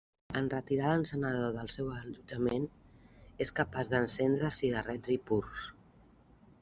En retirar l'encenedor del seu allotjament, és capaç d'encendre cigarrets i purs.